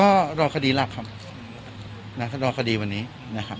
ก็รอคดีหลักครับนะรอคดีวันนี้นะครับ